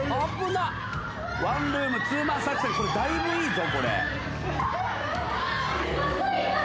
１ルーム２マン作戦これだいぶいいぞ。